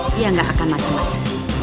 dia nggak akan macam macam